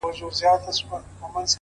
• تا چي پر لمانځه له ياده وباسم،